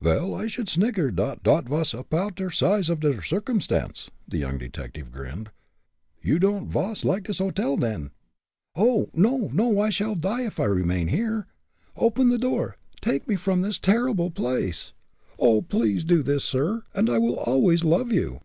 "Vel, I should snicker dot dot vas apoud der size off der circumstance," the young detective grinned. "You don'd vas like dis hotel, den?" "Oh! no! no! I shall die if I remain here. Open the door take me from this terrible place! Oh! please do this, sir, and I will always love you."